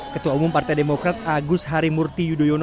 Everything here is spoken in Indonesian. ketua umum partai demokrat agus harimurti yudhoyono